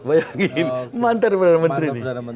banyak lagi ini mantan perdana menteri